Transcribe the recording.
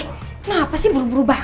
kenapa sih buru buru berubah